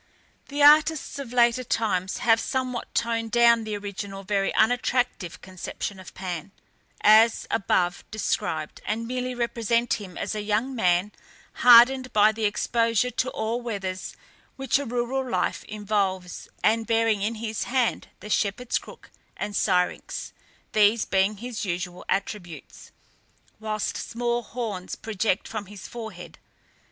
The artists of later times have somewhat toned down the original very unattractive conception of Pan, as above described, and merely represent him as a young man, hardened by the exposure to all weathers which a rural life involves, and bearing in his hand the shepherd's crook and syrinx these being his usual attributes whilst small horns project from his forehead.